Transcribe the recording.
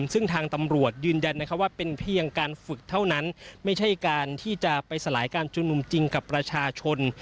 ซึ่งทางตำรวจยืนยันว่าเป็นเพียงการฝึกเท่านั้นไม่ใช่การที่จะไปสลายการชุมนุมจริงกับประชาชน